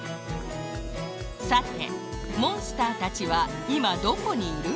さてモンスターたちはいまどこにいる？